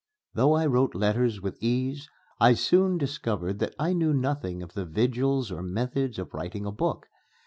Though I wrote letters with ease, I soon discovered that I knew nothing of the vigils or methods of writing a book.